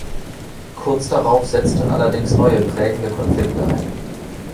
Kurz darauf setzten allerdings neue prägende Konflikte ein.